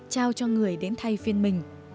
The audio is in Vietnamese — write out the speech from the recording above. trao cho người đến thay phiên mình